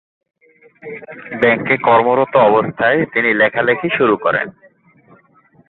ব্যাংকে কর্মরত অবস্থায় তিনি লেখালেখি শুরু করেন।